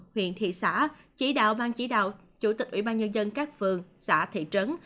huyện thị xã chỉ đạo ban chỉ đạo chủ tịch ủy ban nhân dân các phường xã thị trấn